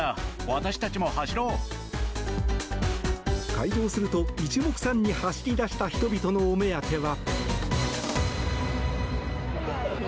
開場すると、一目散に走り出した人々のお目当ては。